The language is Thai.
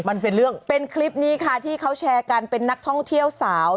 มันเป็นเรื่องเป็นคลิปนี้ค่ะที่เขาแชร์กันเป็นนักท่องเที่ยวสาว